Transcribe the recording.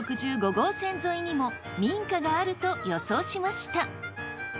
号線沿いにも民家があると予想しました。